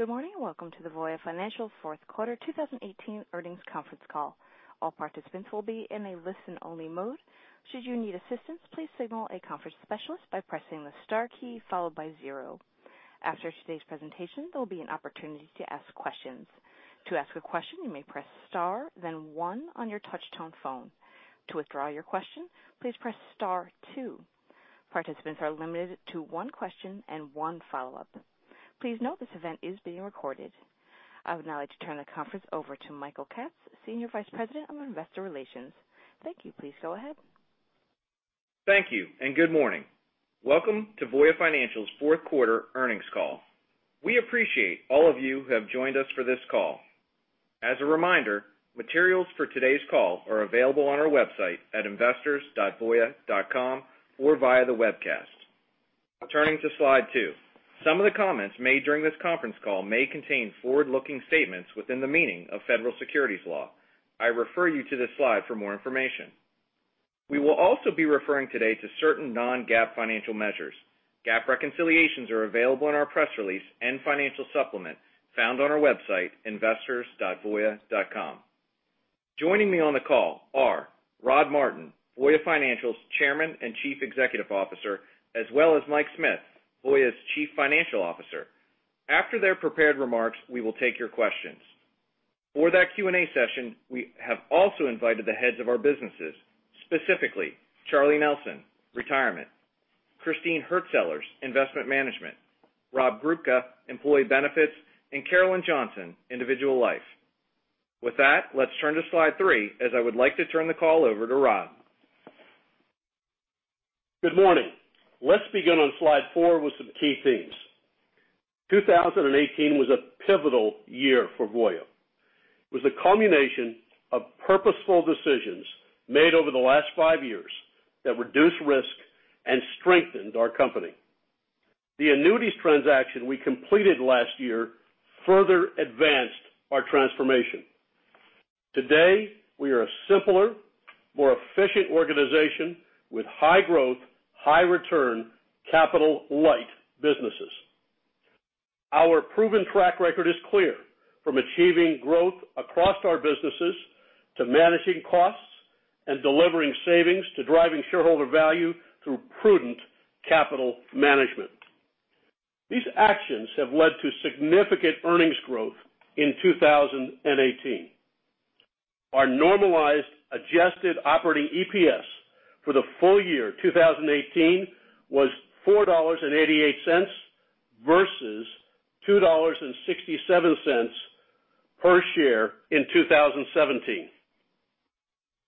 Good morning, and welcome to the Voya Financial fourth quarter 2018 earnings conference call. All participants will be in a listen only mode. Should you need assistance, please signal a conference specialist by pressing the star key followed by zero. After today's presentation, there'll be an opportunity to ask questions. To ask a question, you may press star then one on your touchtone phone. To withdraw your question, please press star two. Participants are limited to one question and one follow-up. Please note this event is being recorded. I would now like to turn the conference over to Michael Katz, Senior Vice President of Investor Relations. Thank you. Please go ahead. Thank you, and good morning. Welcome to Voya Financial's fourth quarter earnings call. We appreciate all of you who have joined us for this call. As a reminder, materials for today's call are available on our website at investors.voya.com or via the webcast. Turning to slide two. Some of the comments made during this conference call may contain forward-looking statements within the meaning of federal securities law. I refer you to this slide for more information. We will also be referring today to certain non-GAAP financial measures. GAAP reconciliations are available in our press release and financial supplement found on our website, investors.voya.com. Joining me on the call are Rod Martin, Voya Financial's Chairman and Chief Executive Officer, as well as Mike Smith, Voya's Chief Financial Officer. After their prepared remarks, we will take your questions. For that Q&A session, we have also invited the heads of our businesses, specifically Charlie Nelson, Retirement, Christine Hurtsellers, Investment Management, Rob Grubka, Employee Benefits, and Carolyn Johnson, Individual Life. With that, let's turn to slide three as I would like to turn the call over to Rod. Good morning. Let's begin on slide four with some key themes. 2018 was a pivotal year for Voya. It was a combination of purposeful decisions made over the last five years that reduced risk and strengthened our company. The annuities transaction we completed last year further advanced our transformation. Today, we are a simpler, more efficient organization with high growth, high return, capital light businesses. Our proven track record is clear. From achieving growth across our businesses, to managing costs and delivering savings, to driving shareholder value through prudent capital management. These actions have led to significant earnings growth in 2018. Our normalized adjusted operating EPS for the full year 2018 was $4.88 versus $2.67 per share in 2017,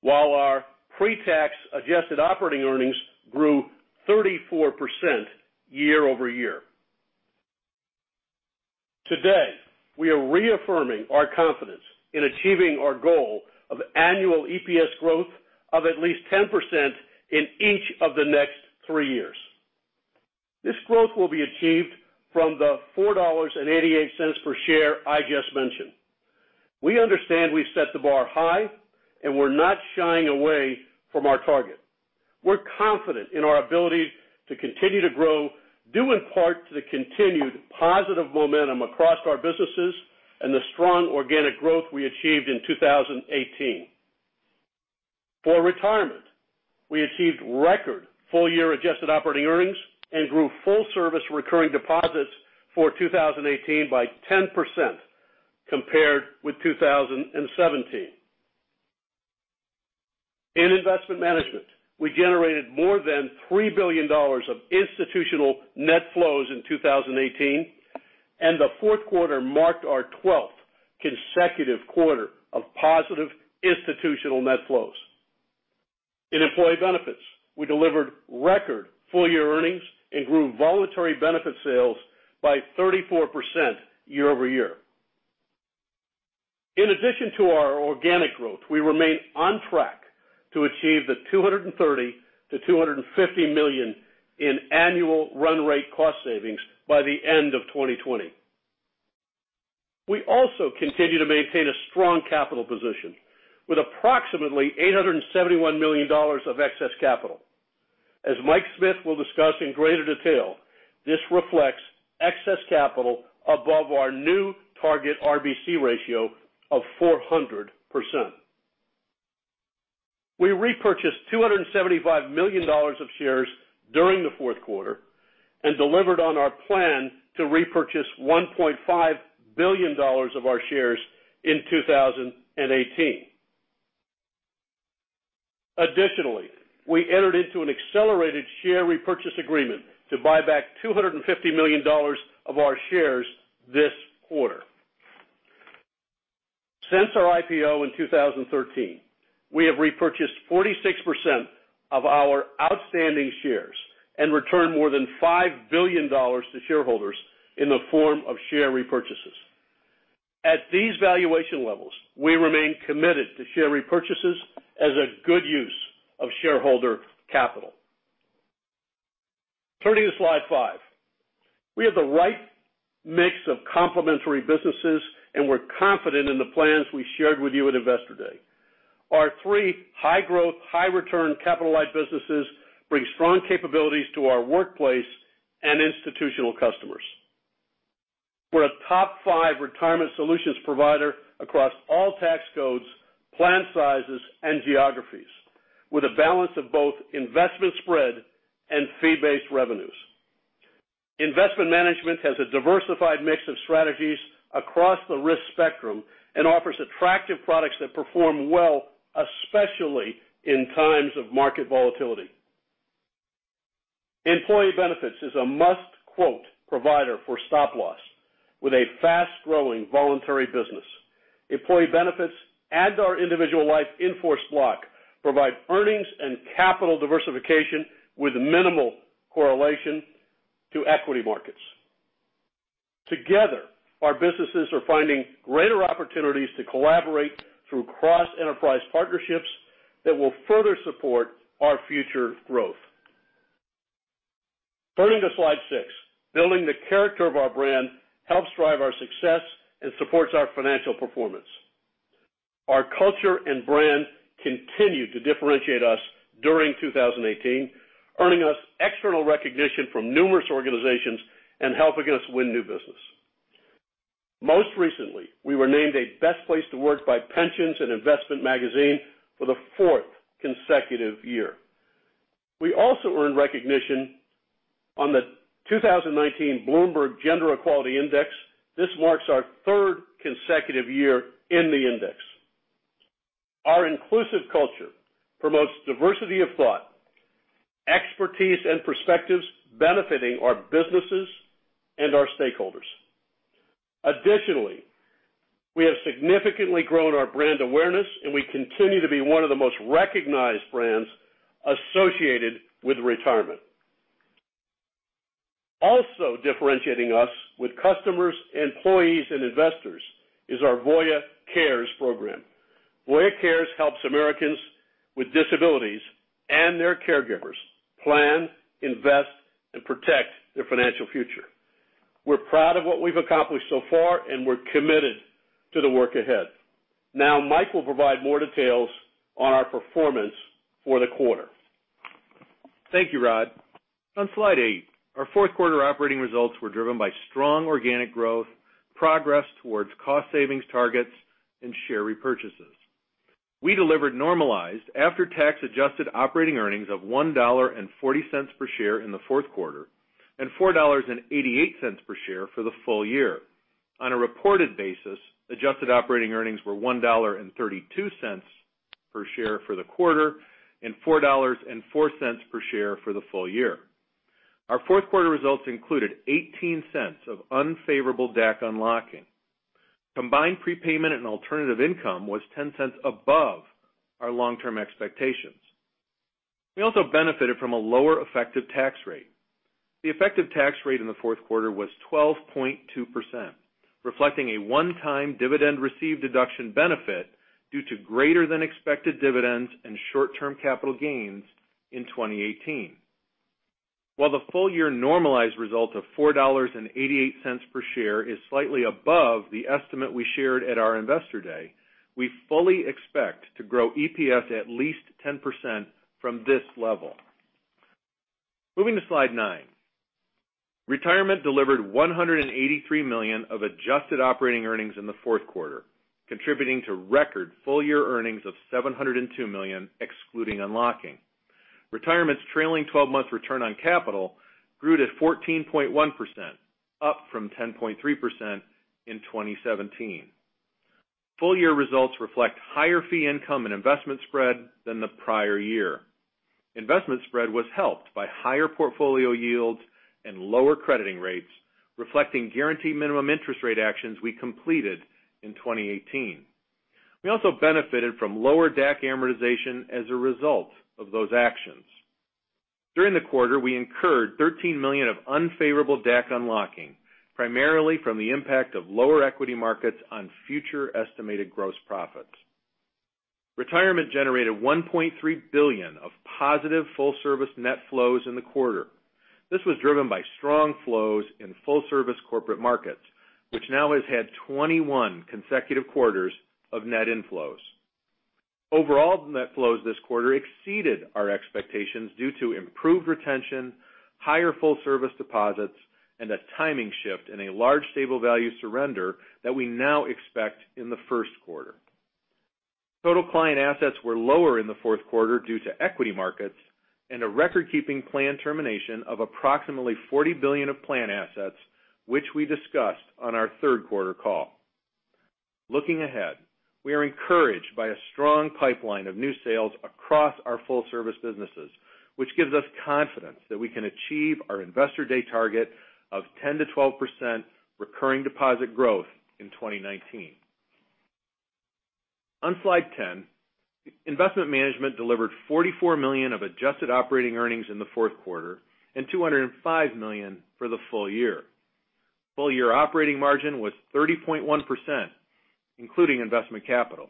while our pre-tax adjusted operating earnings grew 34% year-over-year. Today, we are reaffirming our confidence in achieving our goal of annual EPS growth of at least 10% in each of the next three years. This growth will be achieved from the $4.88 per share I just mentioned. We understand we set the bar high, and we're not shying away from our target. We're confident in our ability to continue to grow, due in part to the continued positive momentum across our businesses and the strong organic growth we achieved in 2018. For Retirement, we achieved record full year adjusted operating earnings and grew full service recurring deposits for 2018 by 10% compared with 2017. In Investment Management, we generated more than $3 billion of institutional net flows in 2018, and the fourth quarter marked our 12th consecutive quarter of positive institutional net flows. In Employee Benefits, we delivered record full year earnings and grew voluntary benefit sales by 34% year-over-year. In addition to our organic growth, we remain on track to achieve the $230 million-$250 million in annual run rate cost savings by the end of 2020. We also continue to maintain a strong capital position with approximately $871 million of excess capital. As Mike Smith will discuss in greater detail, this reflects excess capital above our new target RBC ratio of 400%. We repurchased $275 million of shares during the fourth quarter and delivered on our plan to repurchase $1.5 billion of our shares in 2018. Additionally, we entered into an accelerated share repurchase agreement to buy back $250 million of our shares this quarter. Since our IPO in 2013, we have repurchased 46% of our outstanding shares and returned more than $5 billion to shareholders in the form of share repurchases. At these valuation levels, we remain committed to share repurchases as a good use of shareholder capital. Turning to slide five. We have the right mix of complementary businesses, and we're confident in the plans we shared with you at Investor Day. Our three high growth, high return capitalized businesses bring strong capabilities to our workplace and institutional customers. We're a top five retirement solutions provider across all tax codes, plan sizes, and geographies, with a balance of both investment spread and fee-based revenues. Investment Management has a diversified mix of strategies across the risk spectrum and offers attractive products that perform well, especially in times of market volatility. Employee Benefits is a must-quote provider for stop loss, with a fast growing voluntary business. Employee Benefits and our Individual Life inforce block provide earnings and capital diversification with minimal correlation to equity markets. Together, our businesses are finding greater opportunities to collaborate through cross-enterprise partnerships that will further support our future growth. Turning to slide six, building the character of our brand helps drive our success and supports our financial performance. Our culture and brand continued to differentiate us during 2018, earning us external recognition from numerous organizations and helping us win new business. Most recently, we were named a best place to work by Pensions & Investments magazine for the fourth consecutive year. We also earned recognition on the 2019 Bloomberg Gender-Equality Index. This marks our third consecutive year in the index. Our inclusive culture promotes diversity of thought, expertise, and perspectives, benefiting our businesses and our stakeholders. Additionally, we have significantly grown our brand awareness, and we continue to be one of the most recognized brands associated with retirement. Also differentiating us with customers, employees, and investors is our Voya Cares program. Voya Cares helps Americans with disabilities and their caregivers plan, invest, and protect their financial future. We are proud of what we have accomplished so far, and we are committed to the work ahead. Mike will provide more details on our performance for the quarter. Thank you, Rod. On slide eight, our fourth quarter operating results were driven by strong organic growth, progress towards cost savings targets, and share repurchases. We delivered normalized after-tax adjusted operating earnings of $1.40 per share in the fourth quarter, and $4.88 per share for the full year. On a reported basis, adjusted operating earnings were $1.32 per share for the quarter and $4.04 per share for the full year. Our fourth quarter results included $0.18 of unfavorable DAC unlocking. Combined prepayment and alternative income was $0.10 above our long-term expectations. We also benefited from a lower effective tax rate. The effective tax rate in the fourth quarter was 12.2%, reflecting a one-time dividend received deduction benefit due to greater than expected dividends and short-term capital gains in 2018. While the full-year normalized result of $4.88 per share is slightly above the estimate we shared at our Investor Day, we fully expect to grow EPS at least 10% from this level. Moving to slide nine. Retirement delivered $183 million of adjusted operating earnings in the fourth quarter, contributing to record full-year earnings of $702 million, excluding unlocking. Retirement's trailing 12-month return on capital grew to 14.1%, up from 10.3% in 2017. Full-year results reflect higher fee income and investment spread than the prior year. Investment spread was helped by higher portfolio yields and lower crediting rates, reflecting guaranteed minimum interest rate actions we completed in 2018. We also benefited from lower DAC amortization as a result of those actions. During the quarter, we incurred $13 million of unfavorable DAC unlocking, primarily from the impact of lower equity markets on future estimated gross profits. Retirement generated $1.3 billion of positive full service net flows in the quarter. This was driven by strong flows in full service corporate markets, which now has had 21 consecutive quarters of net inflows. Overall net flows this quarter exceeded our expectations due to improved retention, higher full-service deposits, and a timing shift in a large stable value surrender that we now expect in the first quarter. Total client assets were lower in the fourth quarter due to equity markets and a record-keeping plan termination of approximately $40 billion of plan assets, which we discussed on our third quarter call. Looking ahead, we are encouraged by a strong pipeline of new sales across our full service businesses, which gives us confidence that we can achieve our Investor Day target of 10%-12% recurring deposit growth in 2019. On slide 10, Investment Management delivered $44 million of adjusted operating earnings in the fourth quarter and $205 million for the full year. Full-year operating margin was 30.1%, including investment capital.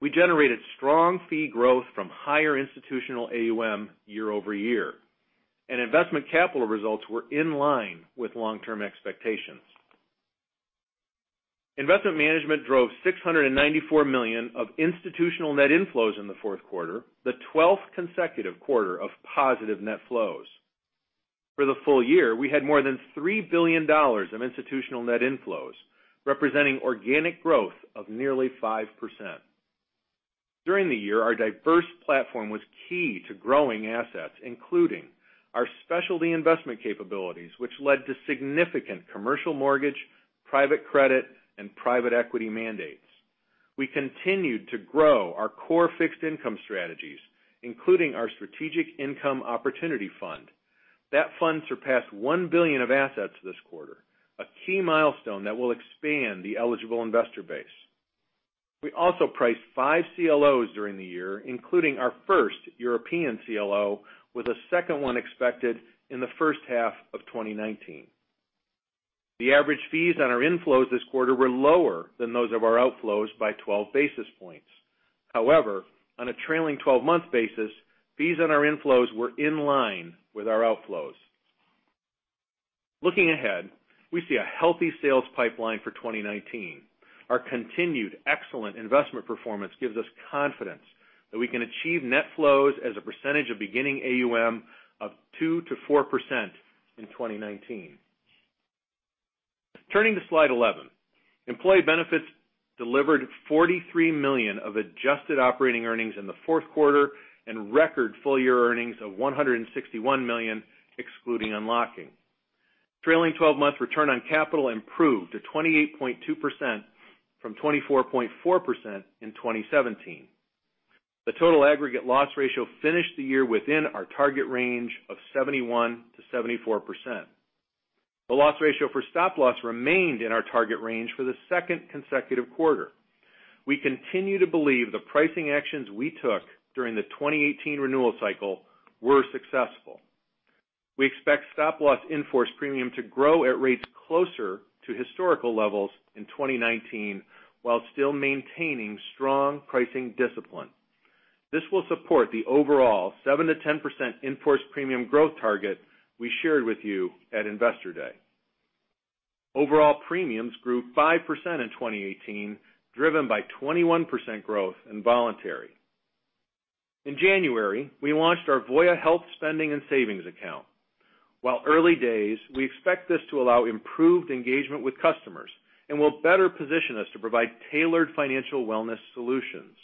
We generated strong fee growth from higher institutional AUM year-over-year. Investment capital results were in line with long-term expectations. Investment Management drove $694 million of institutional net inflows in the fourth quarter, the 12th consecutive quarter of positive net flows. For the full year, we had more than $3 billion of institutional net inflows, representing organic growth of nearly 5%. During the year, our diverse platform was key to growing assets, including our specialty investment capabilities, which led to significant commercial mortgage, private credit, and private equity mandates. We continued to grow our core fixed income strategies, including our Strategic Income Opportunity Fund. That fund surpassed $1 billion of assets this quarter, a key milestone that will expand the eligible investor base. We also priced five CLOs during the year, including our first European CLO, with a second one expected in the first half of 2019. The average fees on our inflows this quarter were lower than those of our outflows by 12 basis points. However, on a trailing 12-month basis, fees on our inflows were in line with our outflows. Looking ahead, we see a healthy sales pipeline for 2019. Our continued excellent investment performance gives us confidence that we can achieve net flows as a percentage of beginning AUM of 2%-4% in 2019. Turning to slide 11, Employee Benefits delivered $43 million of adjusted operating earnings in the fourth quarter and record full-year earnings of $161 million, excluding unlocking. Trailing 12-month return on capital improved to 28.2% from 24.4% in 2017. The total aggregate loss ratio finished the year within our target range of 71%-74%. The loss ratio for stop loss remained in our target range for the second consecutive quarter. We continue to believe the pricing actions we took during the 2018 renewal cycle were successful. We expect stop-loss in-force premium to grow at rates closer to historical levels in 2019 while still maintaining strong pricing discipline. This will support the overall 7%-10% in-force premium growth target we shared with you at Investor Day. Overall premiums grew 5% in 2018, driven by 21% growth in voluntary. In January, we launched our Voya Health Spending and Savings Account. While early days, we expect this to allow improved engagement with customers and will better position us to provide tailored financial wellness solutions.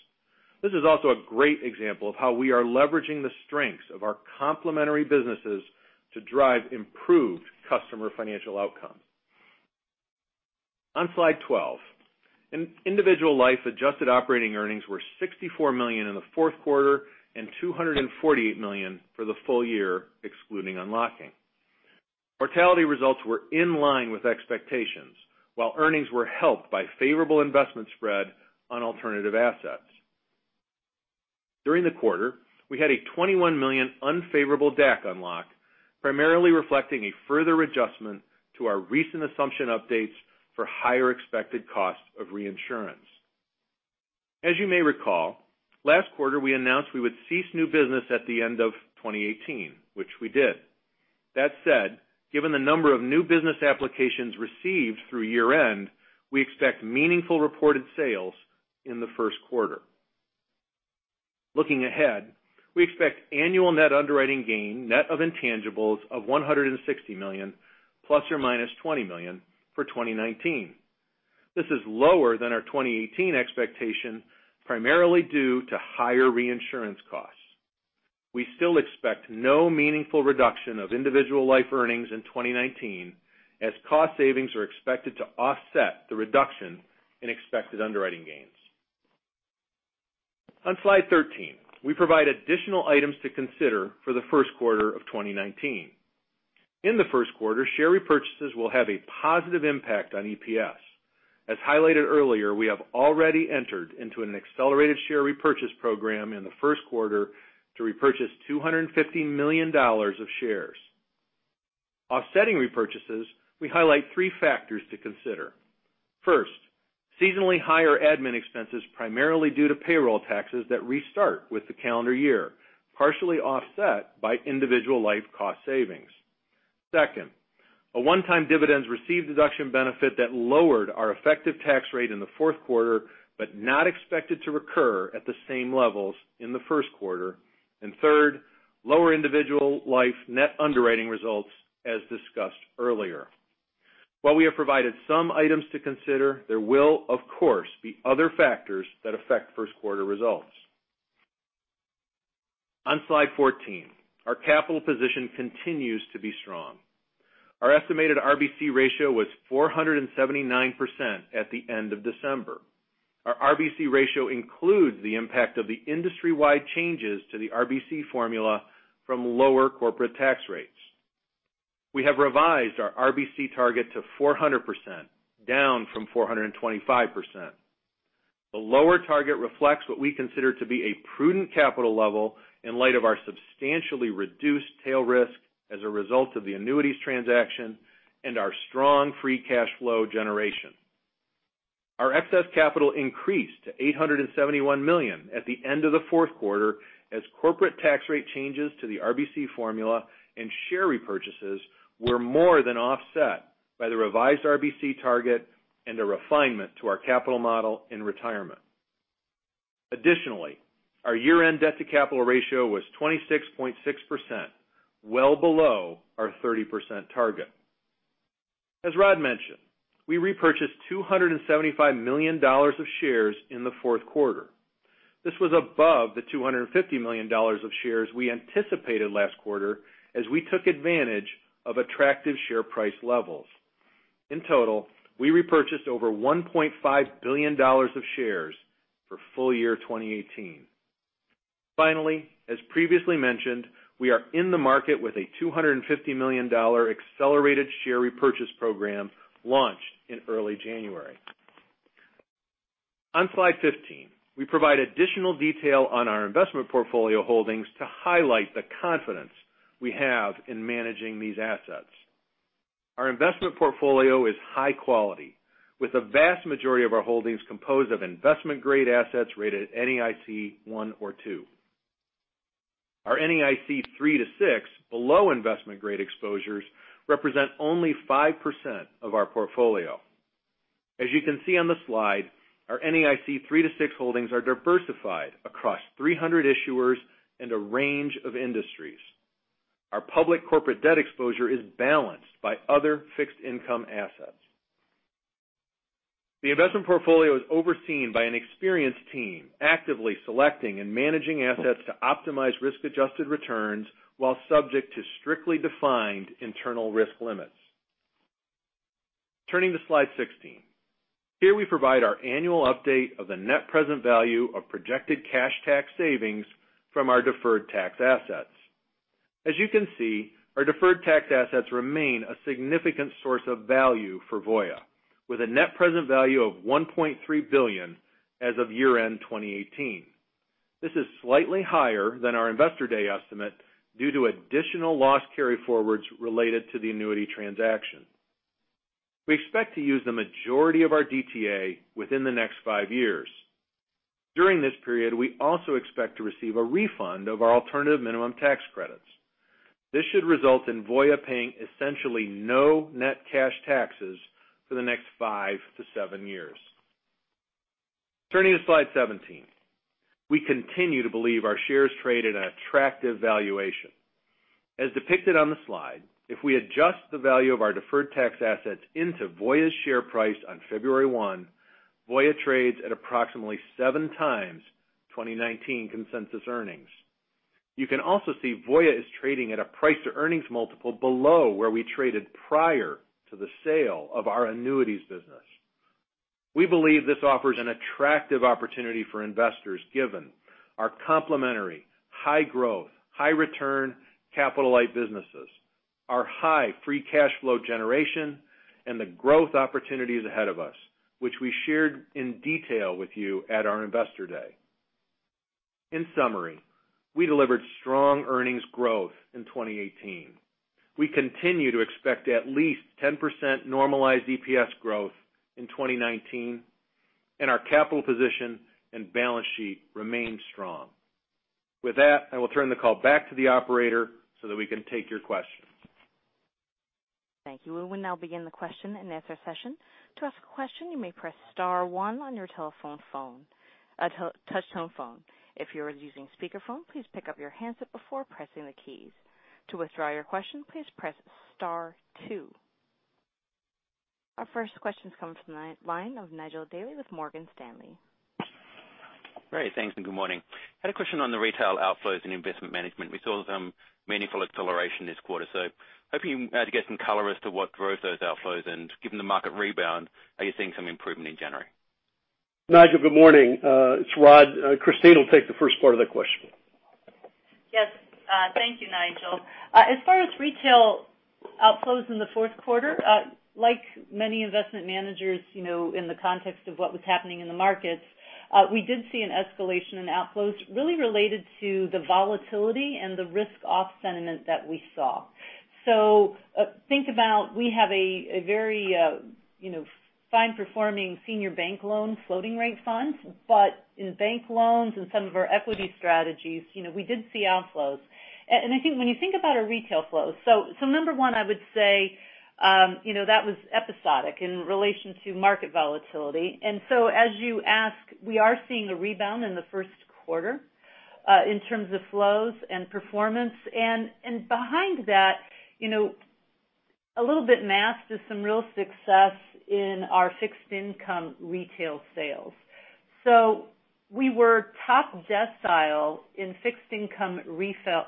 This is also a great example of how we are leveraging the strengths of our complementary businesses to drive improved customer financial outcomes. On slide 12, in Individual Life, adjusted operating earnings were $64 million in the fourth quarter and $248 million for the full year, excluding unlocking. Mortality results were in line with expectations, while earnings were helped by favorable investment spread on alternative assets. During the quarter, we had a $21 million unfavorable DAC unlock, primarily reflecting a further adjustment to our recent assumption updates for higher expected costs of reinsurance. As you may recall, last quarter we announced we would cease new business at the end of 2018, which we did. That said, given the number of new business applications received through year-end, we expect meaningful reported sales in the first quarter. Looking ahead, we expect annual net underwriting gain, net of intangibles, of $160 million ± $20 million for 2019. This is lower than our 2018 expectation, primarily due to higher reinsurance costs. We still expect no meaningful reduction of Individual Life earnings in 2019, as cost savings are expected to offset the reduction in expected underwriting gains. On slide 13, we provide additional items to consider for the first quarter of 2019. In the first quarter, share repurchases will have a positive impact on EPS. As highlighted earlier, we have already entered into an accelerated share repurchase program in the first quarter to repurchase $250 million of shares. Offsetting repurchases, we highlight three factors to consider. First, seasonally higher admin expenses, primarily due to payroll taxes that restart with the calendar year, partially offset by Individual Life cost savings. Second, a one-time dividends received deduction benefit that lowered our effective tax rate in the fourth quarter, but not expected to recur at the same levels in the first quarter. Third, lower Individual Life net underwriting results, as discussed earlier. While we have provided some items to consider, there will of course, be other factors that affect first-quarter results. On slide 14, our capital position continues to be strong. Our estimated RBC ratio was 479% at the end of December. Our RBC ratio includes the impact of the industry-wide changes to the RBC formula from lower corporate tax rates. We have revised our RBC target to 400%, down from 425%. The lower target reflects what we consider to be a prudent capital level in light of our substantially reduced tail risk as a result of the annuities transaction and our strong free cash flow generation. Our excess capital increased to $871 million at the end of the fourth quarter as corporate tax rate changes to the RBC formula and share repurchases were more than offset by the revised RBC target and a refinement to our capital model in retirement. Additionally, our year-end debt-to-capital ratio was 26.6%, well below our 30% target. As Rod mentioned, we repurchased $275 million of shares in the fourth quarter. This was above the $250 million of shares we anticipated last quarter, as we took advantage of attractive share price levels. In total, we repurchased over $1.5 billion of shares for full year 2018. Finally, as previously mentioned, we are in the market with a $250 million accelerated share repurchase program launched in early January. On slide 15, we provide additional detail on our investment portfolio holdings to highlight the confidence we have in managing these assets. Our investment portfolio is high quality, with a vast majority of our holdings composed of investment-grade assets rated NAIC 1 or 2. Our NAIC 3 to 6 below investment-grade exposures represent only 5% of our portfolio. As you can see on the slide, our NAIC 3 to 6 holdings are diversified across 300 issuers and a range of industries. Our public corporate debt exposure is balanced by other fixed income assets. The investment portfolio is overseen by an experienced team, actively selecting and managing assets to optimize risk-adjusted returns, while subject to strictly defined internal risk limits. Turning to slide 16. Here we provide our annual update of the net present value of projected cash tax savings from our deferred tax assets. As you can see, our deferred tax assets remain a significant source of value for Voya, with a net present value of $1.3 billion as of year-end 2018. This is slightly higher than our Investor Day estimate due to additional loss carryforwards related to the annuity transaction. We expect to use the majority of our DTA within the next five years. During this period, we also expect to receive a refund of our alternative minimum tax credits. This should result in Voya paying essentially no net cash taxes for the next five to seven years. Turning to slide 17. We continue to believe our shares trade at an attractive valuation. As depicted on the slide, if we adjust the value of our deferred tax assets into Voya's share price on February 1, Voya trades at approximately 7x 2019 consensus earnings. You can also see Voya is trading at a price-to-earnings multiple below where we traded prior to the sale of our annuities business. We believe this offers an attractive opportunity for investors given our complementary high growth, high return capital-light businesses, our high free cash flow generation, and the growth opportunities ahead of us, which we shared in detail with you at our Investor Day. In summary, we delivered strong earnings growth in 2018. We continue to expect at least 10% normalized EPS growth in 2019, and our capital position and balance sheet remain strong. With that, I will turn the call back to the operator so that we can take your questions. Thank you. We will now begin the question-and-answer session. To ask a question, you may press star one on your telephone, a touchtone phone. If you're using speakerphone, please pick up your handset before pressing the keys. To withdraw your question, please press star two. Our first question comes from the line of Nigel Daly with Morgan Stanley. Great. Thanks. Good morning. I had a question on the retail outflows and investment management. We saw some meaningful acceleration this quarter. I am hoping to get some color as to what drove those outflows. Given the market rebound, are you seeing some improvement in January? Nigel, good morning. It's Rod. Christine will take the first part of the question. Yes. Thank you, Nigel. As far as retail outflows in the fourth quarter, like many investment managers in the context of what was happening in the markets, we did see an escalation in outflows really related to the volatility and the risk-off sentiment that we saw. Think about, we have a very fine-performing senior bank loan floating rate fund. In bank loans and some of our equity strategies, we did see outflows. I think when you think about our retail flows, number one, I would say, that was episodic in relation to market volatility. As you ask, we are seeing a rebound in the first quarter in terms of flows and performance. Behind that, a little bit masked is some real success in our fixed income retail sales. We were top decile in fixed income retail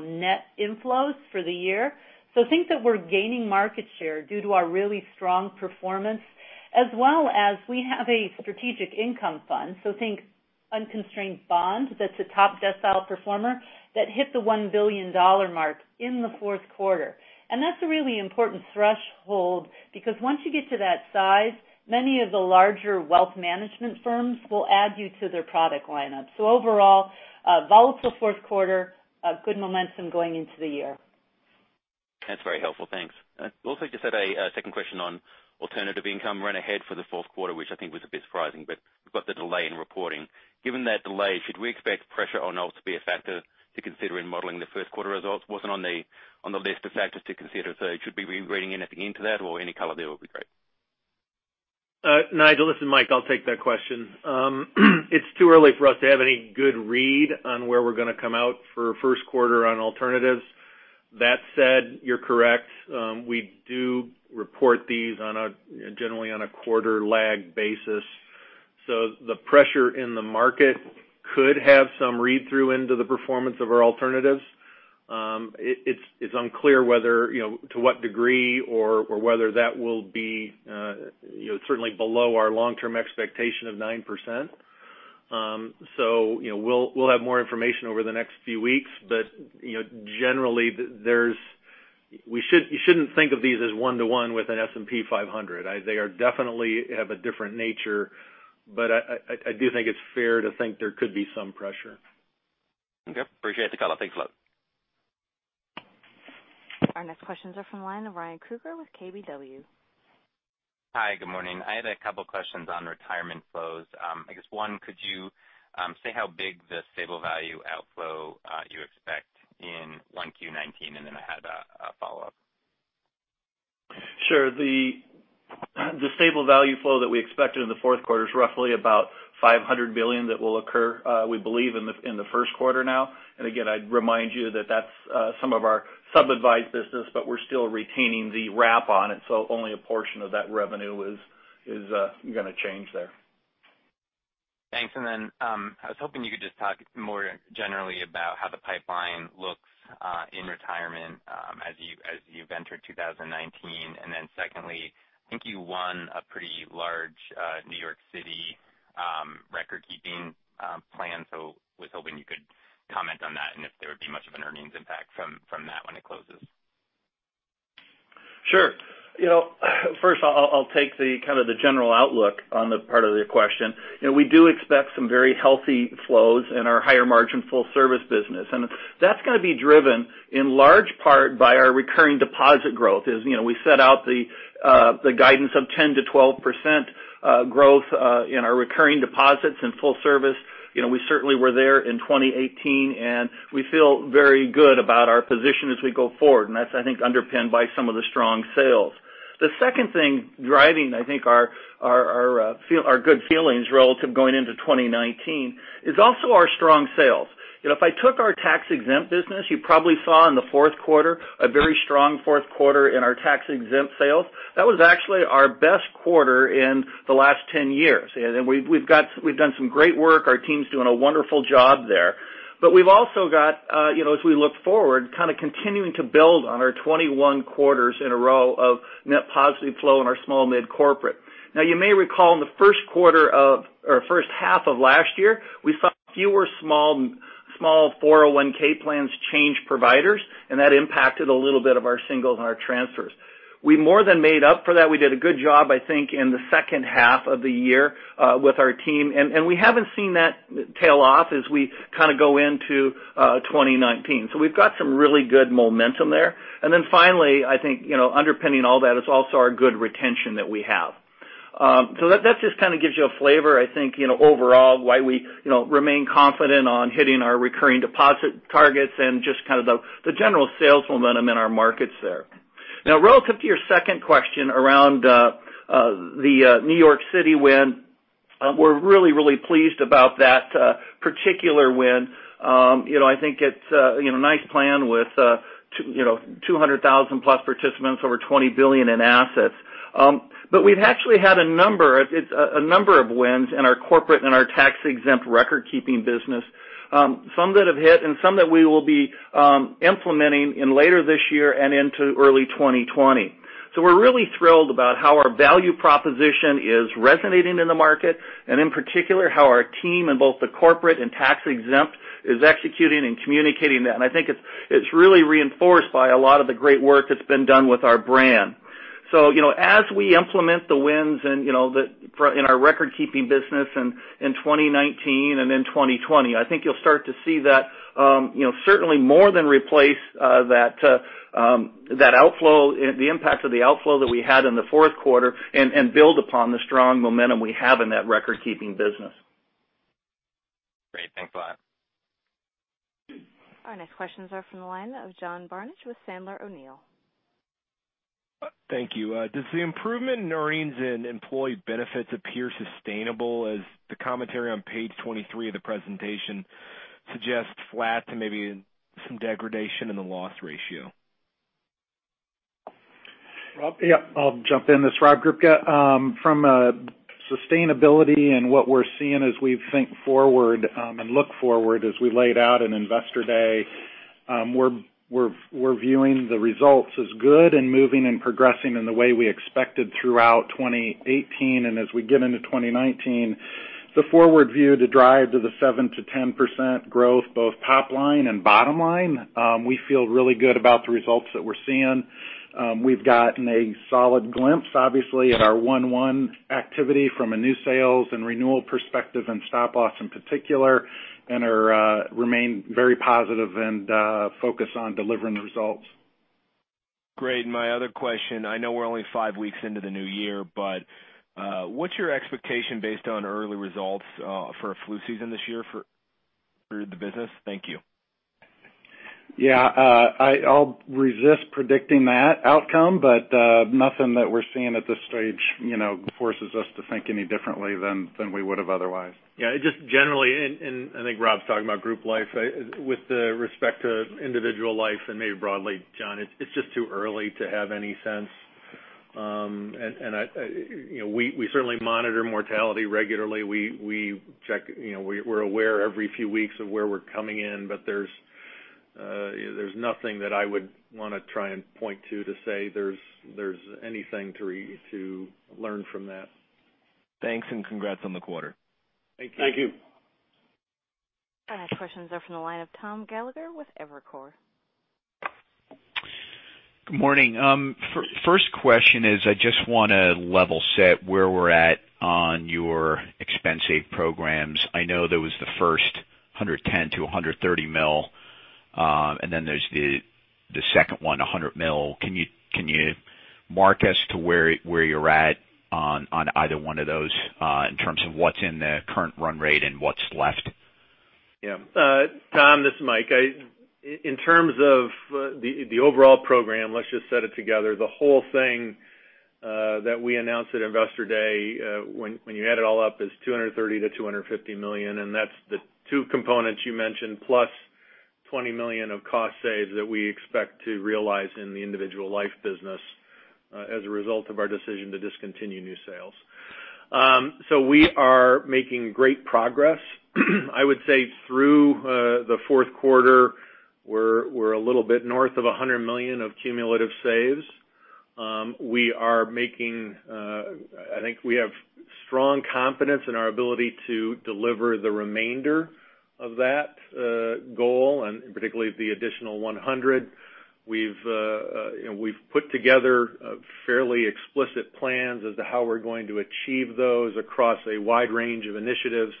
net inflows for the year. Think that we're gaining market share due to our really strong performance as well as we have a Strategic Income Fund. Think unconstrained bond that's a top decile performer that hit the $1 billion mark in the fourth quarter. That's a really important threshold because once you get to that size, many of the larger wealth management firms will add you to their product lineup. Overall, a volatile fourth quarter, a good momentum going into the year. That's very helpful. Thanks. Just had a second question on alternative income ran ahead for the fourth quarter, which I think was a bit surprising, but we've got the delay in reporting. Given that delay, should we expect pressure on alt to be a factor to consider in modeling the first quarter results? Wasn't on the list of factors to consider, should we be reading anything into that or any color there would be great. Nigel, listen, Mike, I'll take that question. It's too early for us to have any good read on where we're going to come out for first quarter on alternatives. That said, you're correct. We do report these generally on a quarter lag basis. The pressure in the market could have some read-through into the performance of our alternatives. It's unclear to what degree or whether that will be certainly below our long-term expectation of 9%. We'll have more information over the next few weeks. Generally, you shouldn't think of these as one-to-one with an S&P 500. They definitely have a different nature, but I do think it's fair to think there could be some pressure. Okay. Appreciate the color. Thanks a lot. Our next questions are from the line of Ryan Krueger with KBW. Hi, good morning. I had a couple questions on retirement flows. I guess one, could you say how big the stable value outflow you expect in 1Q 2019? I had a follow-up. Sure. The stable value flow that we expected in the fourth quarter is roughly about $500 million that will occur, we believe, in the first quarter now. Again, I'd remind you that that's some of our sub-advised business, we're still retaining the wrap on it, only a portion of that revenue is going to change there. Thanks. I was hoping you could just talk more generally about how the pipeline looks in retirement as you've entered 2019. Secondly, I think you won a pretty large New York City recordkeeping plan. Was hoping you could comment on that and if there would be much of an earnings impact from that when it closes. Sure. First, I'll take the general outlook on the part of your question. We do expect some very healthy flows in our higher margin full service business. That's going to be driven in large part by our recurring deposit growth. As we set out the guidance of 10%-12% growth in our recurring deposits in full service. We certainly were there in 2018, and we feel very good about our position as we go forward. That's, I think, underpinned by some of the strong sales. The second thing driving, I think, our good feelings relative going into 2019 is also our strong sales. If I took our tax-exempt business, you probably saw in the fourth quarter a very strong fourth quarter in our tax-exempt sales. That was actually our best quarter in the last 10 years. We've done some great work. Our team's doing a wonderful job there. We've also got, as we look forward, continuing to build on our 21 quarters in a row of net positive flow in our small-mid corporate. Now, you may recall in the first half of last year, we saw fewer small 401 plans change providers, and that impacted a little bit of our singles and our transfers. We more than made up for that. We did a good job, I think, in the second half of the year with our team. We haven't seen that tail off as we go into 2019. We've got some really good momentum there. Finally, I think, underpinning all that is also our good retention that we have. That just gives you a flavor, I think, overall why we remain confident on hitting our recurring deposit targets and just the general sales momentum in our markets there. Relative to your second question around the New York City win, we're really, really pleased about that particular win. I think it's a nice plan with 200,000-plus participants, over $20 billion in assets. We've actually had a number of wins in our corporate and our tax-exempt recordkeeping business. Some that have hit and some that we will be implementing later this year and into early 2020. We're really thrilled about how our value proposition is resonating in the market, and in particular, how our team in both the corporate and tax exempt is executing and communicating that. I think it's really reinforced by a lot of the great work that's been done with our brand. As we implement the wins in our recordkeeping business in 2019 and in 2020, I think you'll start to see that certainly more than replace the impact of the outflow that we had in the fourth quarter and build upon the strong momentum we have in that recordkeeping business. Great. Thanks a lot. Our next questions are from the line of John Barnidge with Sandler O'Neill. Thank you. Does the improvement in earnings in Employee Benefits appear sustainable as the commentary on page 23 of the presentation suggests flat to maybe some degradation in the loss ratio? Yeah. I'll jump in. This is Rob Grubka. From a sustainability and what we're seeing as we think forward and look forward as we laid out in Investor Day, we're viewing the results as good and moving and progressing in the way we expected throughout 2018. As we get into 2019, the forward view to drive to the 7%-10% growth, both top line and bottom line, we feel really good about the results that we're seeing. We've gotten a solid glimpse, obviously, at our 1/1 activity from a new sales and renewal perspective and stop loss in particular, and remain very positive and focused on delivering the results. Great. My other question, I know we're only five weeks into the new year, but what's your expectation based on early results for flu season this year for the business? Thank you. Yeah. I'll resist predicting that outcome, but nothing that we're seeing at this stage forces us to think any differently than we would've otherwise. Yeah. Just generally, and I think Rob's talking about Group Life, with the respect to Individual Life and maybe broadly, John, it's just too early to have any sense. We certainly monitor mortality regularly. We're aware every few weeks of where we're coming in, but there's nothing that I would want to try and point to say there's anything to learn from that. Thanks, and congrats on the quarter. Thank you. Our next questions are from the line of Thomas Gallagher with Evercore. Good morning. First question is I just want to level set where we're at on your expense save programs. I know there was the first $110 million-$130 million, and then there's the second one, $100 million. Can you mark us to where you're at on either one of those in terms of what's in the current run rate and what's left? Tom, this is Mike. In terms of the overall program, let's just set it together. The whole thing that we announced at Investor Day, when you add it all up, is $230 million-$250 million, and that's the two components you mentioned, plus $20 million of cost saves that we expect to realize in the Individual Life business as a result of our decision to discontinue new sales. We are making great progress. I would say through the fourth quarter, we're a little bit north of $100 million of cumulative saves. I think we have strong confidence in our ability to deliver the remainder of that goal, and particularly the additional $100 million. We've put together fairly explicit plans as to how we're going to achieve those across a wide range of initiatives.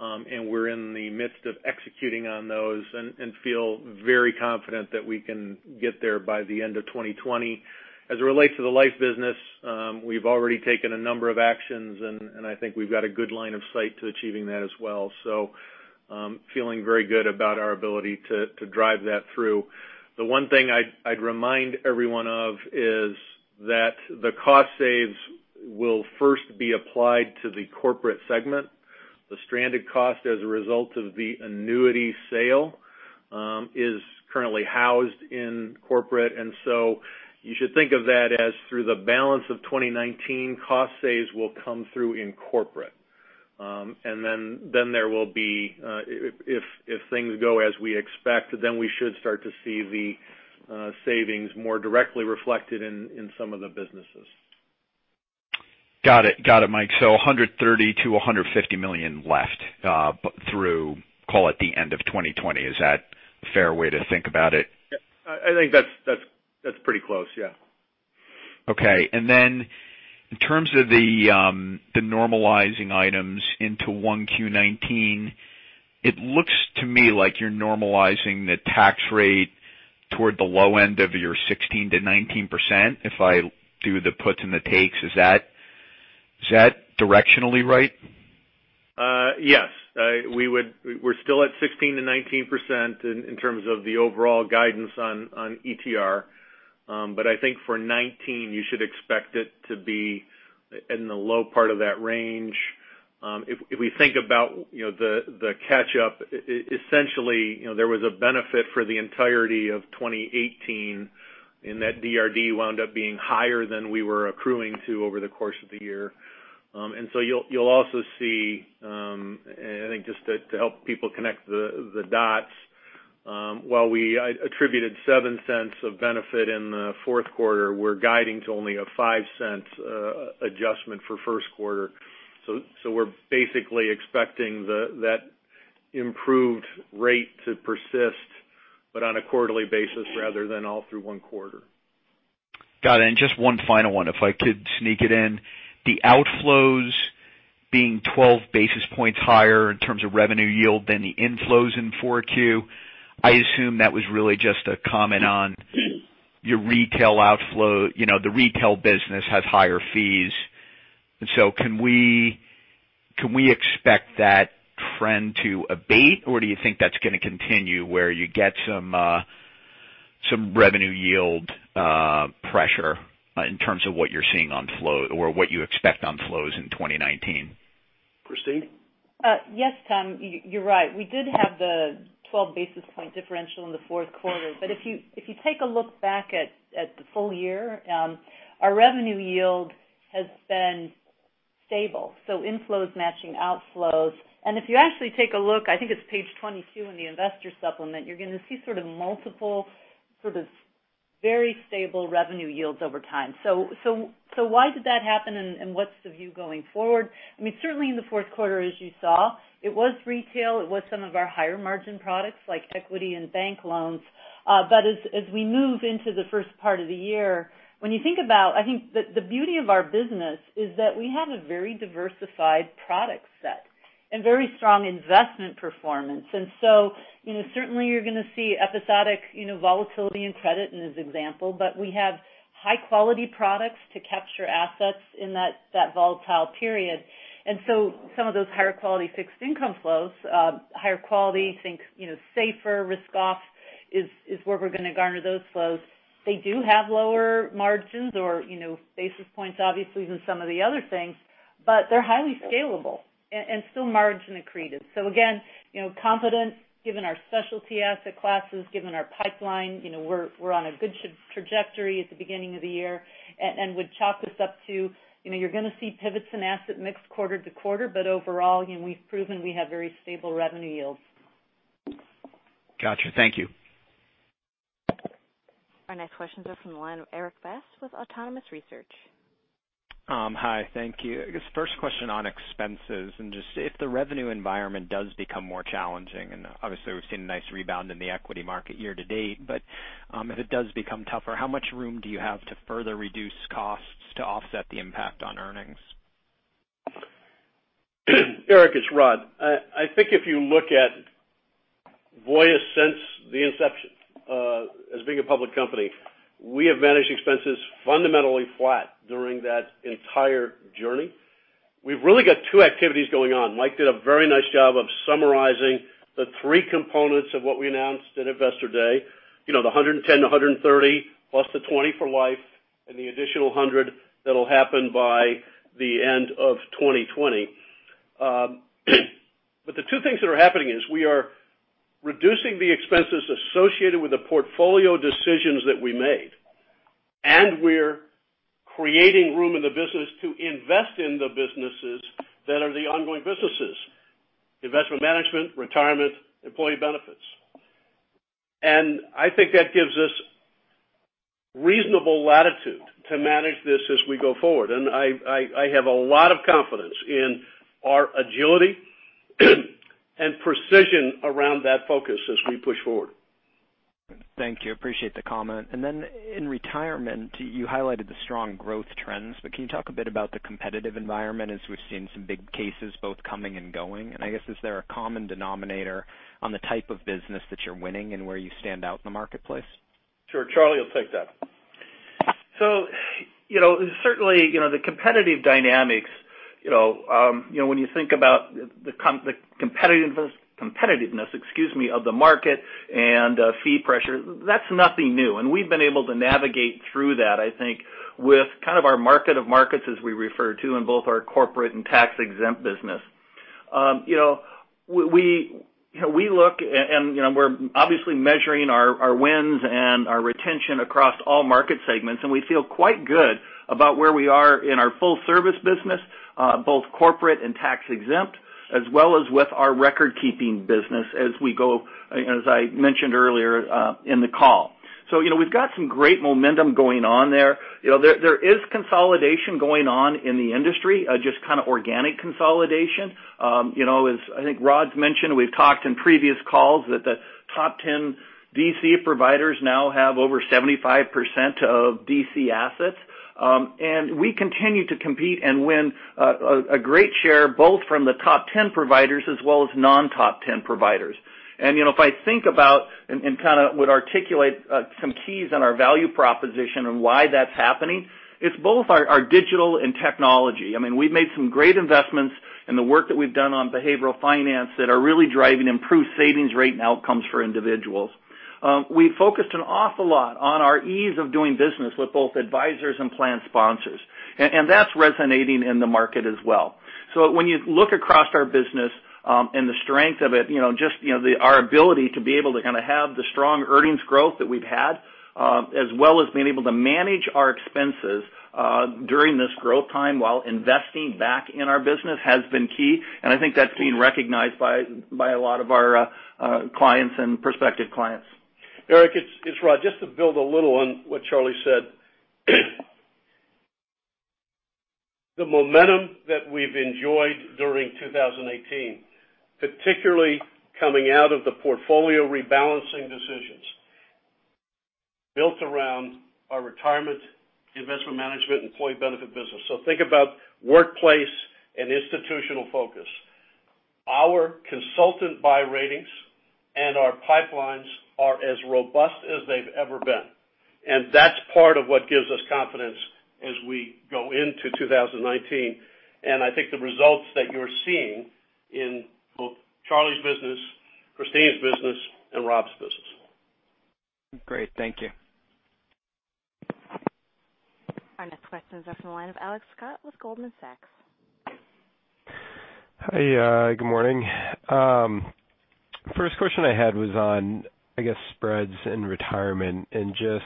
We're in the midst of executing on those, and feel very confident that we can get there by the end of 2020. As it relates to the Life business, we've already taken a number of actions, and I think we've got a good line of sight to achieving that as well. Feeling very good about our ability to drive that through. The one thing I'd remind everyone of is that the cost saves will first be applied to the Corporate segment. The stranded cost as a result of the annuity sale is currently housed in Corporate. You should think of that as through the balance of 2019, cost saves will come through in Corporate. If things go as we expect, we should start to see the savings more directly reflected in some of the businesses. Got it, Mike. $130 million-$150 million left through, call it, the end of 2020. Is that a fair way to think about it? I think that's pretty close. Yeah. Okay. Then in terms of the normalizing items into 1Q19, it looks to me like you're normalizing the tax rate toward the low end of your 16%-19%, if I do the puts and the takes. Is that directionally right? Yes. We're still at 16%-19% in terms of the overall guidance on ETR. I think for 2019, you should expect it to be in the low part of that range. If we think about the catch up, essentially, there was a benefit for the entirety of 2018, and that DRD wound up being higher than we were accruing to over the course of the year. You'll also see, I think just to help people connect the dots, while we attributed $0.07 of benefit in the fourth quarter, we're guiding to only a $0.05 adjustment for first quarter. We're basically expecting that improved rate to persist, but on a quarterly basis rather than all through one quarter. Got it. Just one final one, if I could sneak it in. The outflows being 12 basis points higher in terms of revenue yield than the inflows in 4Q, I assume that was really just a comment on the retail business has higher fees. Can we expect that trend to abate, or do you think that's going to continue where you get some revenue yield pressure in terms of what you're seeing on flow or what you expect on flows in 2019? Christine? Yes, Tom, you're right. We did have the 12 basis point differential in the fourth quarter. If you take a look back at the full year, our revenue yield has been stable, so inflows matching outflows. If you actually take a look, I think it's page 22 in the investor supplement, you're going to see sort of multiple Very stable revenue yields over time. Why did that happen and what's the view going forward? Certainly in the fourth quarter, as you saw, it was retail, it was some of our higher margin products like equity and bank loans. As we move into the first part of the year, when you think about, I think the beauty of our business is that we have a very diversified product set and very strong investment performance. Certainly you're going to see episodic volatility in credit in this example, but we have high-quality products to capture assets in that volatile period. Some of those higher quality fixed income flows, higher quality, think safer risk-off is where we're going to garner those flows. They do have lower margins or basis points obviously than some of the other things, but they're highly scalable and still margin accretive. Again, confident given our specialty asset classes, given our pipeline, we're on a good trajectory at the beginning of the year and would chalk this up to, you're going to see pivots in asset mix quarter to quarter, but overall, we've proven we have very stable revenue yields. Got you. Thank you. Our next question is from the line of Erik Bass with Autonomous Research. Hi, thank you. I guess first question on expenses and just if the revenue environment does become more challenging, obviously we've seen a nice rebound in the equity market year to date, but if it does become tougher, how much room do you have to further reduce costs to offset the impact on earnings? Erik, it's Rod. I think if you look at Voya since the inception as being a public company, we have managed expenses fundamentally flat during that entire journey. We've really got two activities going on. Mike did a very nice job of summarizing the three components of what we announced at Investor Day. The $110 million-$130 million plus the $20 million for life and the additional $100 million that'll happen by the end of 2020. The two things that are happening is we are reducing the expenses associated with the portfolio decisions that we made, and we're creating room in the business to invest in the businesses that are the ongoing businesses, Investment Management, Retirement, Employee Benefits. I think that gives us reasonable latitude to manage this as we go forward. I have a lot of confidence in our agility and precision around that focus as we push forward. Thank you. Appreciate the comment. Then in Retirement, you highlighted the strong growth trends, but can you talk a bit about the competitive environment as we've seen some big cases both coming and going? I guess, is there a common denominator on the type of business that you're winning and where you stand out in the marketplace? Sure. Charlie, I'll take that. Certainly, the competitive dynamics, when you think about the competitiveness of the market and fee pressure, that's nothing new. We've been able to navigate through that, I think, with our market of markets as we refer to in both our corporate and tax-exempt business. We look, and we're obviously measuring our wins and our retention across all market segments, and we feel quite good about where we are in our full service business, both corporate and tax-exempt, as well as with our record-keeping business as I mentioned earlier in the call. We've got some great momentum going on there. There is consolidation going on in the industry, just kind of organic consolidation. As I think Rod's mentioned, we've talked in previous calls that the top 10 DC providers now have over 75% of DC assets. We continue to compete and win a great share both from the top 10 providers as well as non-top 10 providers. If I think about, and would articulate some keys on our value proposition and why that's happening, it's both our digital and technology. We've made some great investments in the work that we've done on behavioral finance that are really driving improved savings rate and outcomes for individuals. We focused an awful lot on our ease of doing business with both advisors and plan sponsors. That's resonating in the market as well. When you look across our business, and the strength of it, just our ability to be able to have the strong earnings growth that we've had, as well as being able to manage our expenses during this growth time while investing back in our business has been key. I think that's been recognized by a lot of our clients and prospective clients. Erik, it's Rod. Just to build a little on what Charlie said. The momentum that we've enjoyed during 2018, particularly coming out of the portfolio rebalancing decisions, built around our Retirement, Investment Management, Employee Benefits business. Think about workplace and institutional focus. Our consultant buy ratings and our pipelines are as robust as they've ever been, and that's part of what gives us confidence as we go into 2019. I think the results that you're seeing in both Charlie's business, Christine's business, and Rob's business. Great. Thank you. Our next question is from the line of Alex Scott with Goldman Sachs. Hi, good morning. First question I had was on, I guess, spreads in retirement and just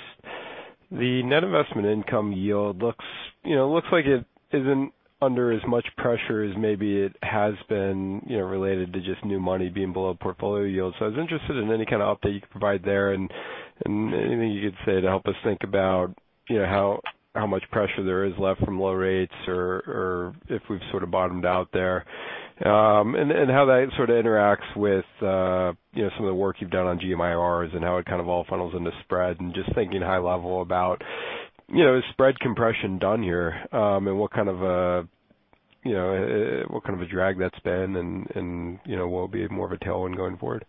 The net investment income yield looks like it isn't under as much pressure as maybe it has been related to just new money being below portfolio yield. I was interested in any kind of update you could provide there, anything you could say to help us think about how much pressure there is left from low rates or if we've sort of bottomed out there. How that sort of interacts with some of the work you've done on GMIBs and how it kind of all funnels into spread and just thinking high level about, is spread compression done here? What kind of a drag that's been and will it be more of a tailwind going forward?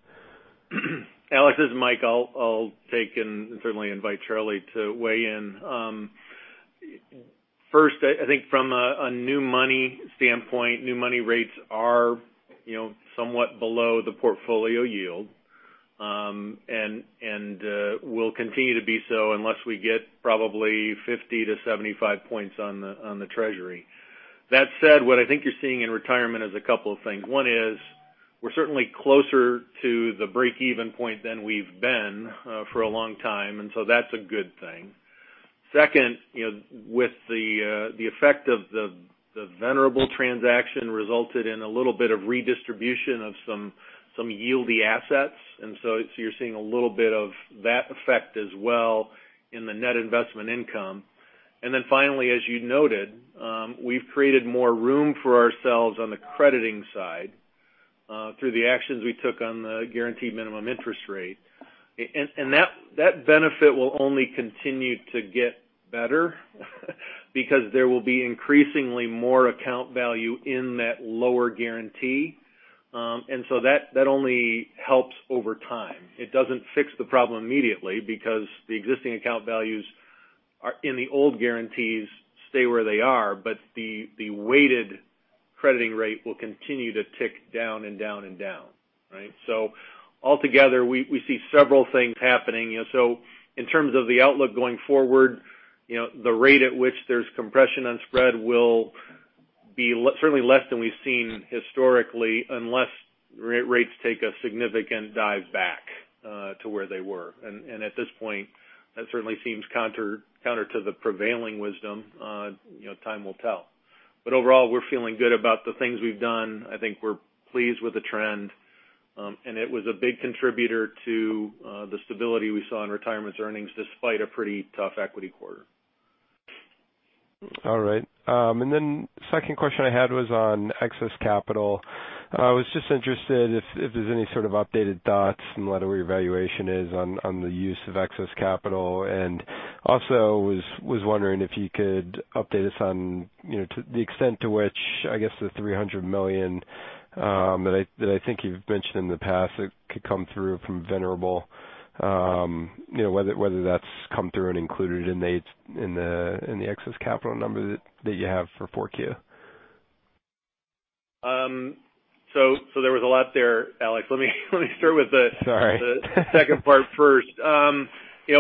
Alex, this is Mike. I'll take and certainly invite Charlie to weigh in. First, I think from a new money standpoint, new money rates are somewhat below the portfolio yield. Will continue to be so unless we get probably 50 to 75 points on the Treasury. That said, what I think you're seeing in retirement is a couple of things. One is we're certainly closer to the break-even point than we've been for a long time, and so that's a good thing. Second, with the effect of the Venerable transaction resulted in a little bit of redistribution of some yield-y assets. You're seeing a little bit of that effect as well in the net investment income. Finally, as you noted, we've created more room for ourselves on the crediting side through the actions we took on the guaranteed minimum interest rate. That benefit will only continue to get better because there will be increasingly more account value in that lower guarantee. That only helps over time. It doesn't fix the problem immediately because the existing account values in the old guarantees stay where they are, but the weighted crediting rate will continue to tick down and down. Altogether, we see several things happening. In terms of the outlook going forward, the rate at which there's compression on spread will be certainly less than we've seen historically unless rates take a significant dive back to where they were. At this point, that certainly seems counter to the prevailing wisdom. Time will tell. Overall, we're feeling good about the things we've done. I think we're pleased with the trend. It was a big contributor to the stability we saw in retirement's earnings despite a pretty tough equity quarter. All right. Second question I had was on excess capital. I was just interested if there's any sort of updated thoughts and what your evaluation is on the use of excess capital. Also was wondering if you could update us on the extent to which, I guess the $300 million that I think you've mentioned in the past that could come through from Venerable, whether that's come through and included in the excess capital number that you have for 4Q. There was a lot there, Alex. Let me start with the- Sorry. second part first. I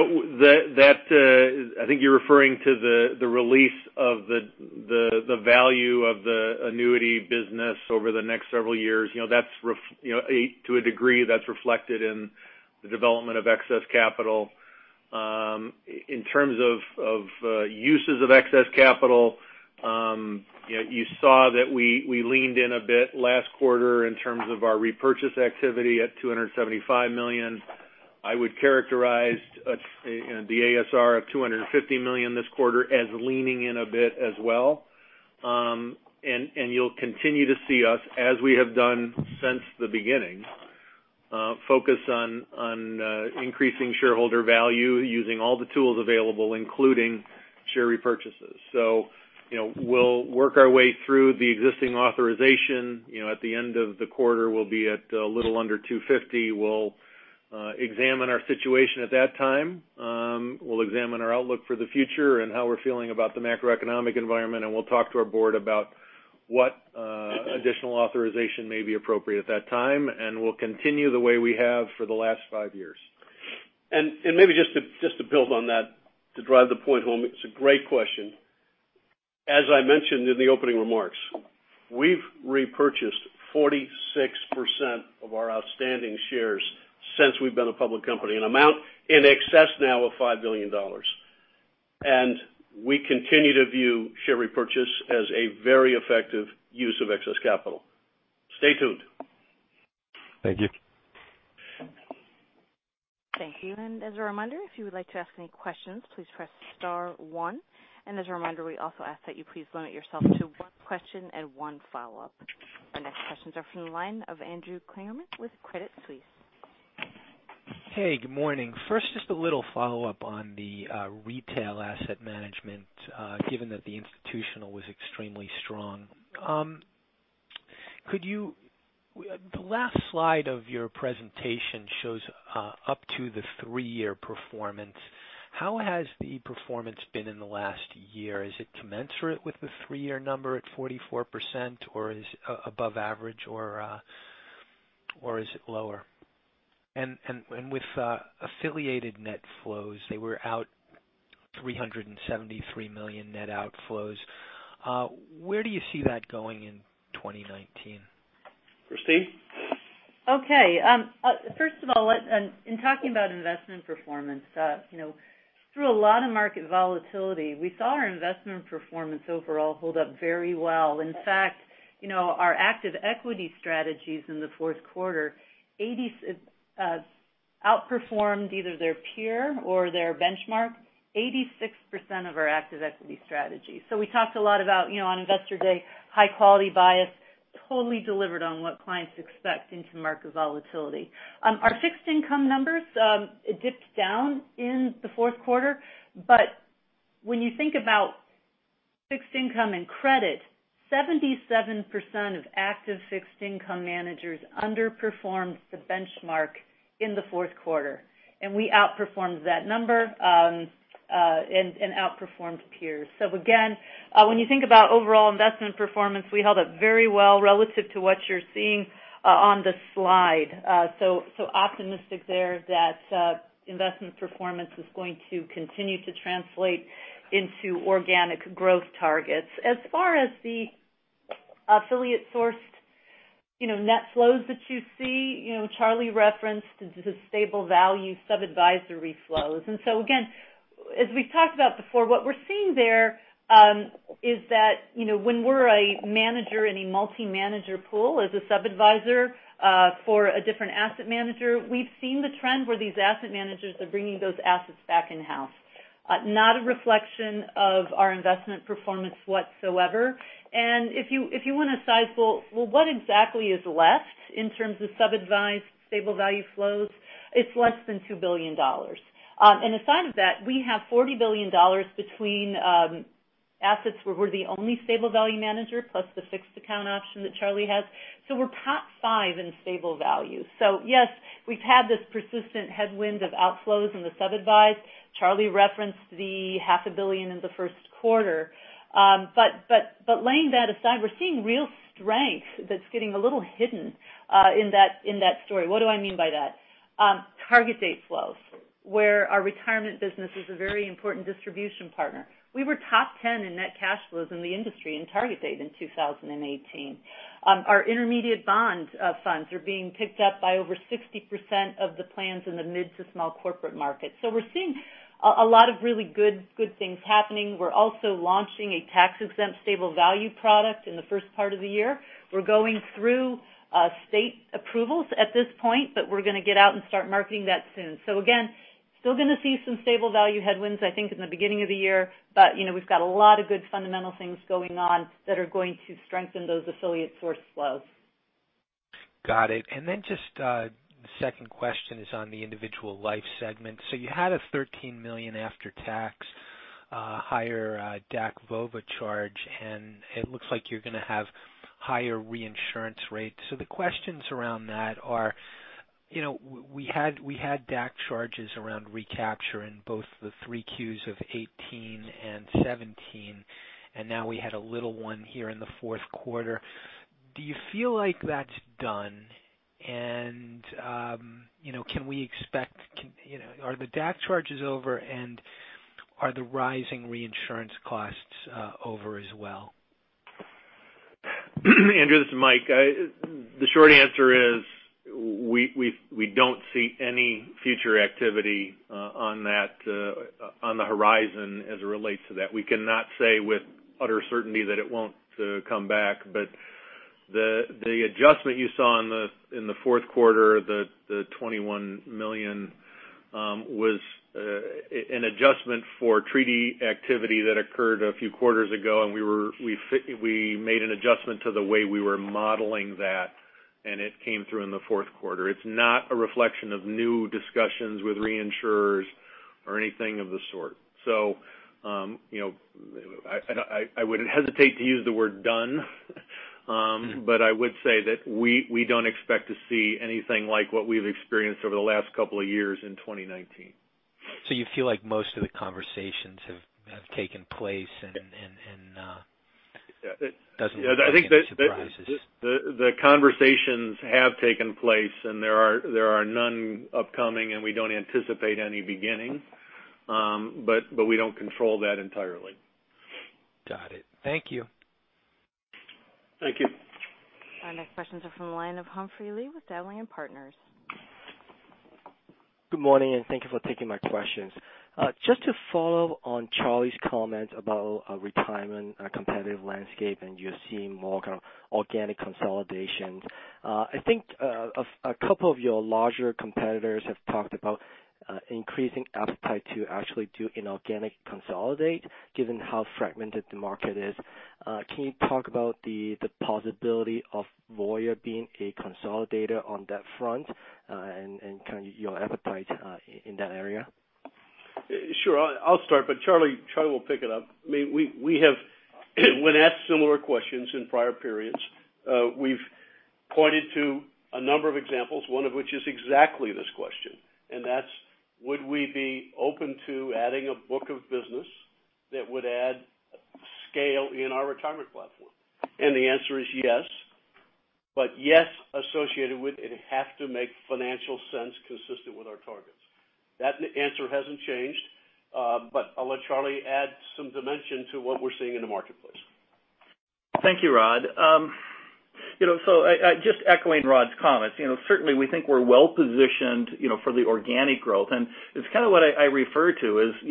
think you're referring to the release of the value of the annuity business over the next several years. To a degree, that's reflected in the development of excess capital. In terms of uses of excess capital, you saw that we leaned in a bit last quarter in terms of our repurchase activity at $275 million. I would characterize the ASR of $250 million this quarter as leaning in a bit as well. You'll continue to see us, as we have done since the beginning, focus on increasing shareholder value using all the tools available, including share repurchases. We'll work our way through the existing authorization. At the end of the quarter, we'll be at a little under $250 million. We'll examine our situation at that time. We'll examine our outlook for the future and how we're feeling about the macroeconomic environment, and we'll talk to our board about what additional authorization may be appropriate at that time. We'll continue the way we have for the last five years. Maybe just to build on that to drive the point home. It's a great question. As I mentioned in the opening remarks, we've repurchased 46% of our outstanding shares since we've been a public company, an amount in excess now of $5 billion. We continue to view share repurchase as a very effective use of excess capital. Stay tuned. Thank you. Thank you. As a reminder, if you would like to ask any questions, please press star one. As a reminder, we also ask that you please limit yourself to one question and one follow-up. Our next questions are from the line of Andrew Kligerman with Credit Suisse. Hey, good morning. First, just a little follow-up on the retail asset management, given that the institutional was extremely strong. The last slide of your presentation shows up to the 3-year performance. How has the performance been in the last year? Is it commensurate with the 3-year number at 44%, or is above average or is it lower? With affiliated net flows, they were out $373 million net outflows. Where do you see that going in 2019? Christine? Okay. First of all, in talking about investment performance, through a lot of market volatility, we saw our investment performance overall hold up very well. In fact, our active equity strategies in the fourth quarter outperformed either their peer or their benchmark 86% of our active equity strategy. We talked a lot about, on Investor Day, high quality bias, totally delivered on what clients expect into market volatility. Our fixed income numbers dipped down in the fourth quarter, but when you think about fixed income and credit, 77% of active fixed income managers underperformed the benchmark in the fourth quarter, and we outperformed that number, and outperformed peers. Again, when you think about overall investment performance, we held up very well relative to what you're seeing on the slide. Optimistic there that investment performance is going to continue to translate into organic growth targets. As far as the affiliate sourced net flows that you see, Charlie referenced the stable value sub-advisory flows. Again, as we've talked about before, what we're seeing there is that when we're a manager in a multi-manager pool as a sub-adviser for a different asset manager, we've seen the trend where these asset managers are bringing those assets back in-house. Not a reflection of our investment performance whatsoever. If you want to size, well, what exactly is left in terms of sub-advised stable value flows? It's less than $2 billion. Aside of that, we have $40 billion between assets where we're the only stable value manager plus the fixed account option that Charlie has. We're top five in stable value. Yes, we've had this persistent headwind of outflows in the sub-advise. Charlie referenced the half a billion in the first quarter. Laying that aside, we're seeing real strength that's getting a little hidden in that story. What do I mean by that? Target date flows, where our retirement business is a very important distribution partner. We were top 10 in net cash flows in the industry in target date in 2018. Our intermediate bond funds are being picked up by over 60% of the plans in the mid to small corporate market. We're seeing a lot of really good things happening. We're also launching a tax-exempt stable value product in the first part of the year. We're going through state approvals at this point, but we're going to get out and start marketing that soon. Again, still going to see some stable value headwinds, I think, in the beginning of the year, but we've got a lot of good fundamental things going on that are going to strengthen those affiliate source flows. Got it. Just the second question is on the Individual Life segment. You had a $13 million after-tax higher DAC VOBA charge, and it looks like you're going to have higher reinsurance rates. The questions around that are, we had DAC charges around recapture in both the 3Qs of 2018 and 2017, and now we had a little one here in the fourth quarter. Do you feel like that's done? Are the DAC charges over, and are the rising reinsurance costs over as well? Andrew, this is Mike. The short answer is we don't see any future activity on the horizon as it relates to that. We cannot say with utter certainty that it won't come back. The adjustment you saw in the fourth quarter, the $21 million, was an adjustment for treaty activity that occurred a few quarters ago, and we made an adjustment to the way we were modeling that, and it came through in the fourth quarter. It's not a reflection of new discussions with reinsurers or anything of the sort. I wouldn't hesitate to use the word done, but I would say that we don't expect to see anything like what we've experienced over the last couple of years in 2019. You feel like most of the conversations have taken place and doesn't look like any surprises. The conversations have taken place, and there are none upcoming, and we don't anticipate any beginning. We don't control that entirely. Got it. Thank you. Thank you. Our next questions are from the line of Humphrey Lee with Dowling & Partners. Good morning, and thank you for taking my questions. Just to follow on Charlie's comments about retirement competitive landscape, and you're seeing more organic consolidation. I think a couple of your larger competitors have talked about increasing appetite to actually do inorganic consolidate given how fragmented the market is. Can you talk about the possibility of Voya being a consolidator on that front and your appetite in that area? Sure. I'll start, but Charlie will pick it up. When asked similar questions in prior periods, we've pointed to a number of examples, one of which is exactly this question, and that's would we be open to adding a book of business that would add scale in our retirement platform? The answer is yes. Yes, associated with it have to make financial sense consistent with our targets. That answer hasn't changed, but I'll let Charlie add some dimension to what we're seeing in the marketplace. Thank you, Rod. Just echoing Rod's comments, certainly we think we're well-positioned for the organic growth, and it's kind of what I refer to as,